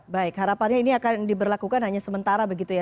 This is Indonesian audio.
baik harapannya ini akan diberlakukan hanya sementara begitu ya